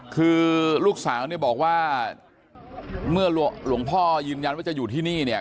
คือลูกสาวเนี่ยบอกว่าเมื่อหลวงพ่อยืนยันว่าจะอยู่ที่นี่เนี่ย